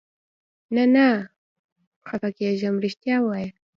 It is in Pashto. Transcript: نه، نه خفه کېږم، رښتیا وایې؟